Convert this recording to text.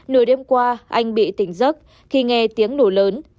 nửa đêm qua anh bị tỉnh giấc khi nghe tiếng nổ lớn